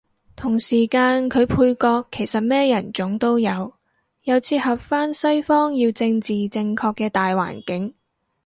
同時間佢配角其實咩人種都有，又切合返西方要政治正確嘅大環境